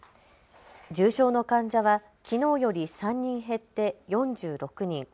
重症の患者はきのうより３人減って４６人。